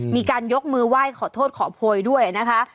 มีการยกมือไหว้ขอโทษขอโพยด้วยนะคะ